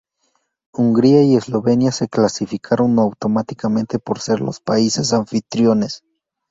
Hungría y Eslovenia se clasificaron automáticamente por ser los países anfitriones.